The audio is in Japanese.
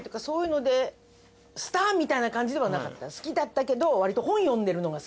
好きだったけどわりと。